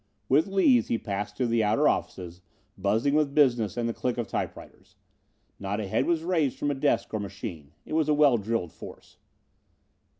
With Lees he passed through the outer offices, buzzing with business and the click of typewriters. Not a head was raised from a desk or machine. It was a well drilled force.